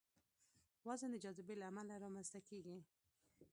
وزن د جاذبې له امله رامنځته کېږي.